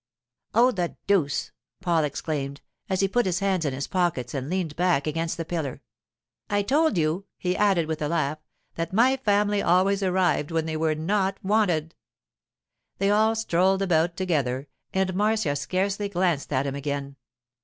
'Oh, the deuce!' Paul exclaimed as he put his hands in his pockets and leaned back against the pillar. 'I told you,' he added, with a laugh, 'that my family always arrived when they were not wanted!' They all strolled about together, and Marcia scarcely glanced at him again.